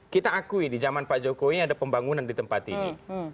kita akui di zaman pak jokowi ada pembangunan di tempat ini